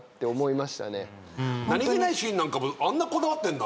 何げないシーンなんかもあんなこだわってんだね。